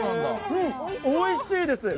おいしいです。